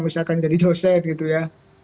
misalkan jadi dosen gitu ya